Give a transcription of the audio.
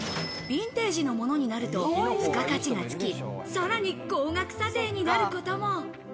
ビンテージのものになると付加価値がつき、さらに高額査定になることも。